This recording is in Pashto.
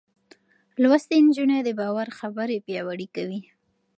لوستې نجونې د باور خبرې پياوړې کوي.